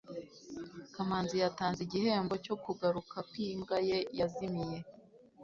kamanzi yatanze igihembo cyo kugaruka kwimbwa ye yazimiye